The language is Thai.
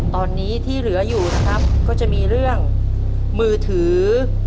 ตอนนี้ที่เหลืออยู่นะครับก็จะมีเรื่องมือถือ